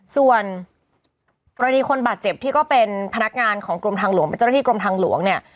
ส่วนกรณีคนบาดเจ็บที่ก็เป็นพนักงานของกรมทางหลวงเป็นเจ้าหน้าที่กรมทางหลวงเนี่ย